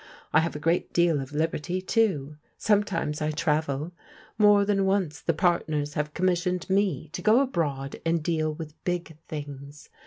I have a great deal of liberty, too. Sometimes I travel. More than once the partners have commissioned me to go abroad and deal with big things.